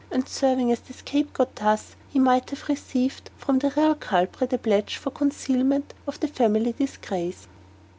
And serving as the scape goat thus, he might have received from the real culprit a pledge for concealment of the family disgrace.